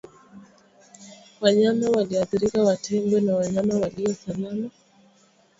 Wanyama walioathirika watengwe na wanyama walio salama